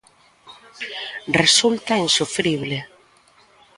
Resulta insufrible.